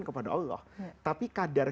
kepada allah tapi kadar